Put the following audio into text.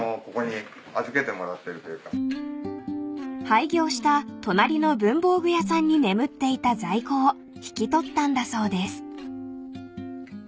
［廃業した隣の文房具屋さんに眠っていた在庫を引き取ったんだそうです］